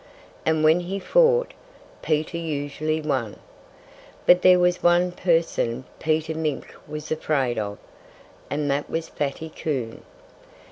And when he fought, Peter usually won. But there was one person Peter Mink was afraid of; and that was Fatty Coon.